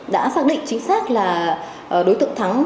đã xác định chính xác là đối tượng thắng